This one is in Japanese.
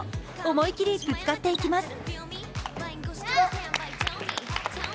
思い切りぶつかっていきます。